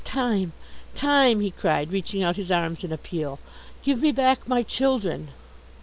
Time, Time," he cried, reaching out his arms in appeal, "give me back my children!"